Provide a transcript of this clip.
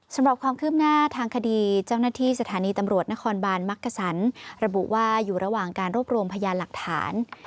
สำหรับความคืบหน้าทางคดีเจ้าหน้าที่สถานีตำรวจนครบานมักกษันระบุว่าอยู่ระหว่างการรวบรวมพยานหลักฐาน